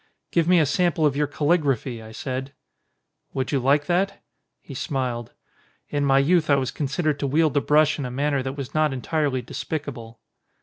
"Give me a sample of your calligraphy," I said. "Would you like that?" He smiled. "In my youth I was considered to wield the brush in a manner that was not entirely despicable."